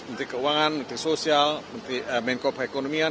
menteri keuangan menteri sosial menteri menko perekonomian